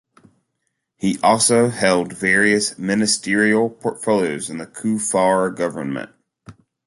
He also held various ministerial portfolios in the Kufuor government.